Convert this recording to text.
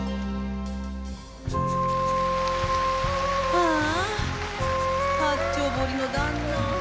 ああ八丁堀の旦那